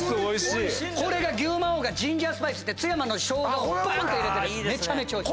これがジンジャースパイスって津山のショウガをばーんと入れててめちゃめちゃおいしい。